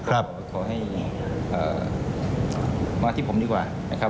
ภารกิจที่ผมดีกว่า